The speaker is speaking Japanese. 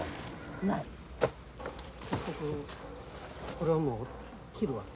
これをもう切るわけ。